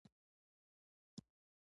هغه وویل: که څه هم زه سندرې ویلای شم.